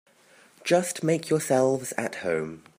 Just make yourselves at home.